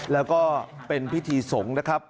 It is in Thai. แล้วก็เป็นพิธีสงฆ์นะครับ